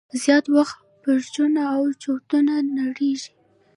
زیات وخت برجونه او چتونه نړیږي.